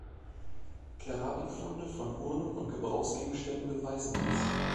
Keramikfunde von Urnen und Gebrauchsgegenständen beweisen dies.